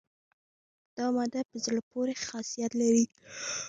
دا ماده په زړه پورې خاصیت لري.